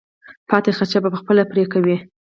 پاتې خرچه به خپله پرې کوې.